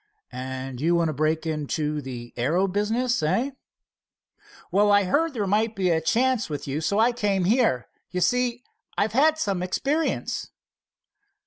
"And you want to break into the aero business, eh?" "Well, I heard there might be a chance with you, so I came here. You see, I've had some experience."